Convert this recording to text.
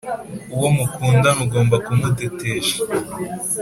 uwo mukundana ugomba kumutetesha